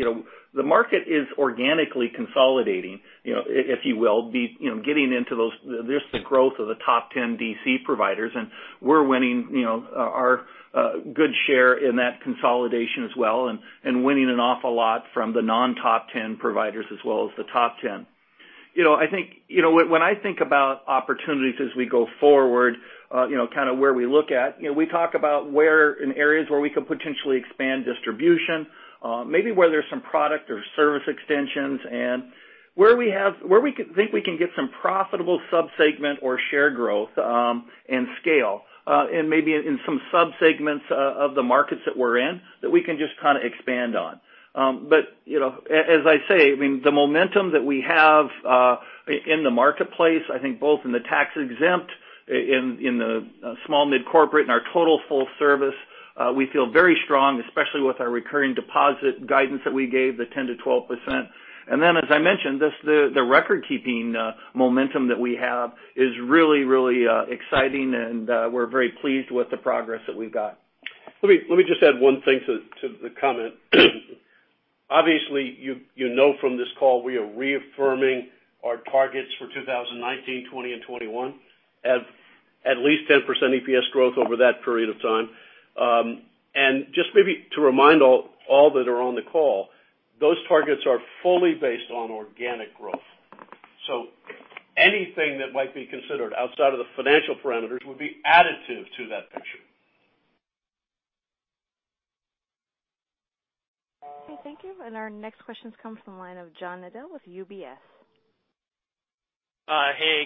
the market is organically consolidating, if you will. Getting into those, there's the growth of the top 10 DC providers, and we're winning our good share in that consolidation as well and winning an awful lot from the non-top 10 providers as well as the top 10. When I think about opportunities as we go forward, kind of where we look at, we talk about in areas where we could potentially expand distribution, maybe where there's some product or service extensions and where we think we can get some profitable sub-segment or share growth and scale, and maybe in some sub-segments of the markets that we're in that we can just kind of expand on. As I say, the momentum that we have in the marketplace, I think both in the tax exempt, in the small mid-corporate, in our total full service, we feel very strong, especially with our recurring deposit guidance that we gave, the 10%-12%. As I mentioned, the record keeping momentum that we have is really exciting, and we're very pleased with the progress that we've got. Let me just add one thing to the comment. Obviously, you know from this call, we are reaffirming our targets for 2019, 2020, and 2021 at at least 10% EPS growth over that period of time. Just maybe to remind all that are on the call, those targets are fully based on organic growth. Anything that might be considered outside of the financial parameters would be additive to that picture. Okay, thank you. Our next question comes from the line of John Nadel with UBS.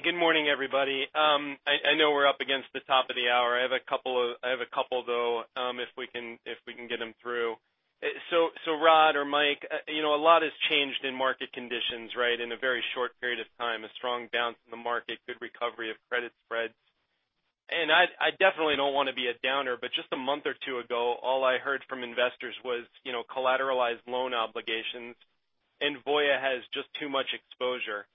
Good morning, everybody. I know we're up against the top of the hour. I have a couple though, if we can get them through. Rod or Mike, a lot has changed in market conditions, right? In a very short period of time, a strong bounce in the market, good recovery of credit spreads. I definitely don't want to be a downer, but just a month or two ago, all I heard from investors was collateralized loan obligations, and Voya has just too much exposure.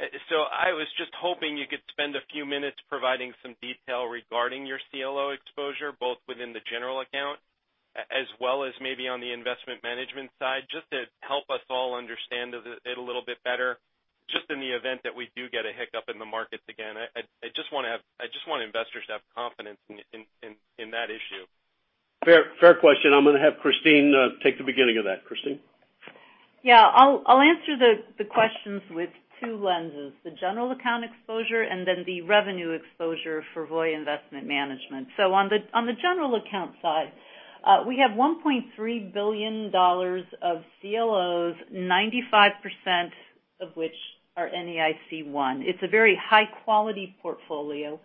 I was just hoping you could spend a few minutes providing some detail regarding your CLO exposure, both within the general account as well as maybe on the Investment Management side, just to help us all understand it a little bit better, just in the event that we do get a hiccup in the markets again. I just want investors to have confidence in that issue. Fair question. I'm going to have Christine take the beginning of that. Christine? I'll answer the questions with two lenses, the general account exposure and then the revenue exposure for Voya Investment Management. On the general account side, we have $1.3 billion of CLOs, 95% of which are NAIC-1. It's a very high-quality portfolio.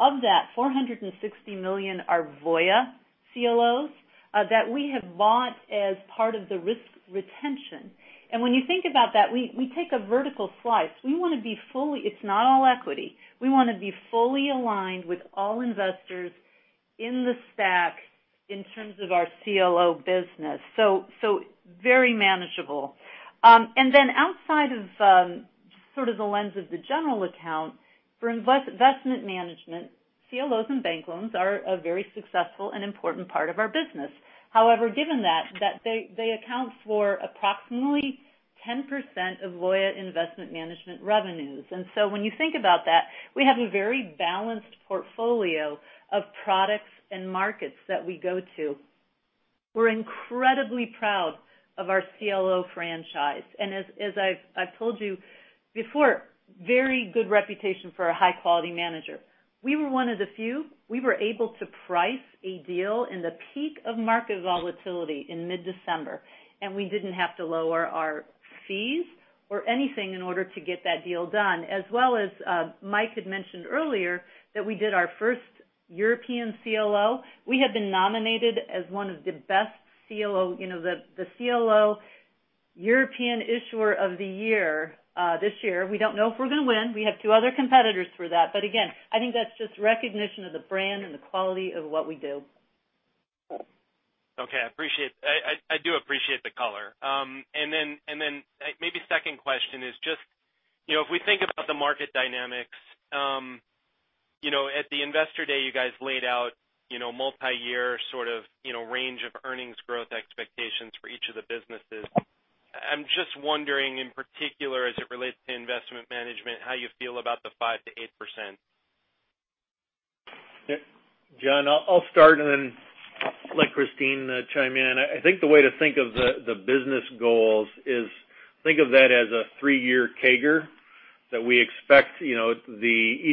Of that, $460 million are Voya CLOs that we have bought as part of the risk retention. When you think about that, we take a vertical slice. It's not all equity. We want to be fully aligned with all investors in the stack in terms of our CLO business. Very manageable. Outside of sort of the lens of the general account, for Investment Management, CLOs and bank loans are a very successful and important part of our business. However, given that, they account for approximately 10% of Voya Investment Management revenues. When you think about that, we have a very balanced portfolio of products and markets that we go to. We're incredibly proud of our CLO franchise, and as I've told you before, very good reputation for a high-quality manager. We were one of the few. We were able to price a deal in the peak of market volatility in mid-December, and we didn't have to lower our fees or anything in order to get that deal done. As well as Mike had mentioned earlier, we did our first European CLO. We have been nominated as one of the best CLO, the CLO European Issuer of the Year this year. We don't know if we're going to win. We have two other competitors for that. Again, I think that's just recognition of the brand and the quality of what we do. Okay. I do appreciate the color. Maybe second question is just, if we think about the market dynamics, at the Investor Day, you guys laid out multi-year sort of range of earnings growth expectations for each of the businesses. I'm just wondering in particular as it relates to investment management, how you feel about the 5%-8%? John, I'll start and then let Christine chime in. I think the way to think of the business goals is think of that as a three-year CAGR that we expect each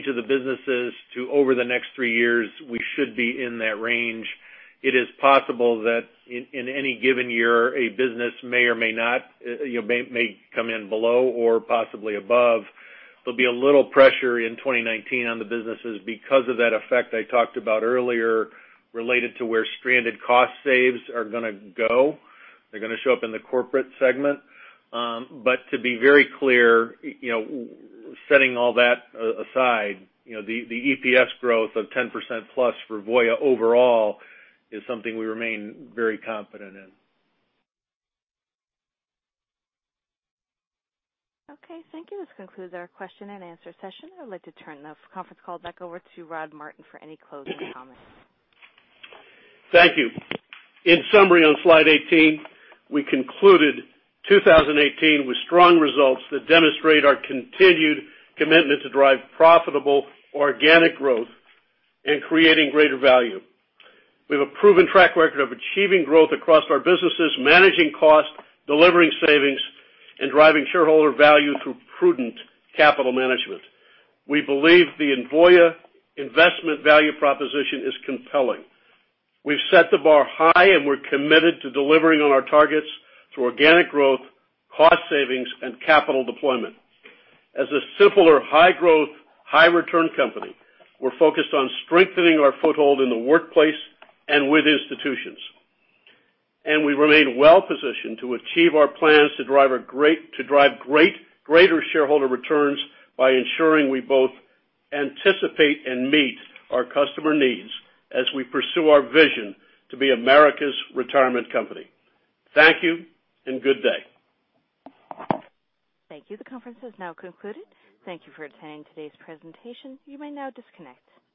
of the businesses to over the next three years, we should be in that range. It is possible that in any given year, a business may come in below or possibly above. There'll be a little pressure in 2019 on the businesses because of that effect I talked about earlier related to where stranded cost saves are going to go. They're going to show up in the corporate segment. To be very clear, setting all that aside, the EPS growth of 10% plus for Voya overall is something we remain very confident in. Okay, thank you. This concludes our question and answer session. I'd like to turn the conference call back over to Rodney Martin for any closing comments. Thank you. In summary, on slide 18, we concluded 2018 with strong results that demonstrate our continued commitment to drive profitable organic growth and creating greater value. We have a proven track record of achieving growth across our businesses, managing costs, delivering savings, and driving shareholder value through prudent capital management. We believe the Voya investment value proposition is compelling. We've set the bar high, and we're committed to delivering on our targets through organic growth, cost savings, and capital deployment. As a simpler, high-growth, high-return company, we're focused on strengthening our foothold in the workplace and with institutions. We remain well-positioned to achieve our plans to drive greater shareholder returns by ensuring we both anticipate and meet our customer needs as we pursue our vision to be America's retirement company. Thank you and good day. Thank you. The conference has now concluded. Thank you for attending today's presentation. You may now disconnect.